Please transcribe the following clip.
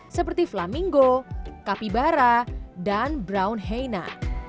seperti flamingo capybara dan brown hyena